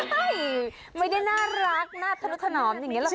ไม่ไม่ได้หน้ารักหน้าพนุธนอมอย่างนี้หรอกค่ะ